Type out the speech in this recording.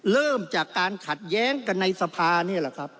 เริ่มจากการขัดแย้งกันในสภานี่แหละครับ